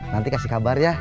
nanti kasih kabar ya